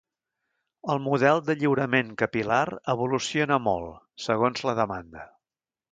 El model de lliurament capil·lar evoluciona molt, segons la demanda.